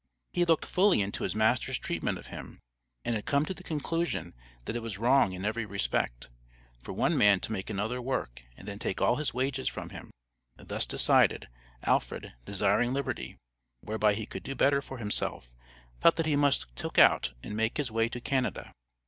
He had looked fully into his master's treatment of him, and had come to the conclusion that it was wrong in every respect, for one man to make another work and then take all his wages from him; thus decided, Alfred, desiring liberty, whereby he could do better for himself felt that he must "took out" and make his way to Canada.